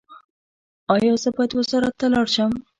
ایا زه باید وزارت ته لاړ شم؟